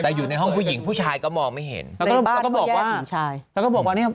แต่อยู่ในห้องผู้หญิงผู้ชายก็มองไม่เห็นในบ้านแย่ผู้ชายแล้วก็บอกว่าอันเนี้ยสามีฉันซื้อให้